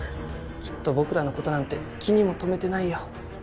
きっと僕らの事なんて気にも留めてないよ。